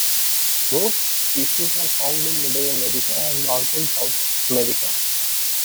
Most species are found in Middle America and northern South America.